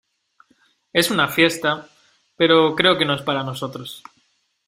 es una fiesta, pero creo que no es para nosotros.